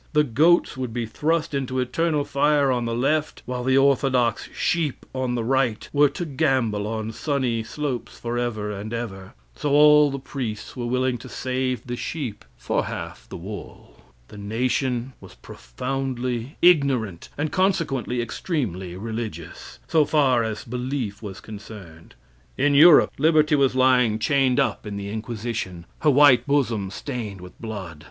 The goats would be thrust into eternal fire on the left, while the orthodox sheep, on the right, were to gambol on sunny slopes forever and ever. So all the priests were willing to save the sheep for half the wool. The nation was profoundly ignorant, and consequently extremely religious, so far as belief was concerned. In Europe liberty was lying chained up in the inquisition, her white bosom stained with blood.